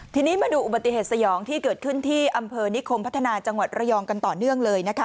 ทีนี้มาดูอุบัติเหตุสยองที่เกิดขึ้นที่อำเภอนิคมพัฒนาจังหวัดระยองกันต่อเนื่องเลยนะคะ